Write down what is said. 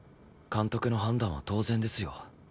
監督の判断は当然ですよ。